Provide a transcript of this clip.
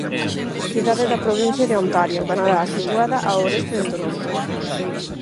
Cidade da provincia de Ontario, Canadá, situada ao oeste de Toronto.